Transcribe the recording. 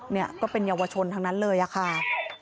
เนี่ยก็เป็นเยาวชนทั้งนั้นเลยอะค่ะ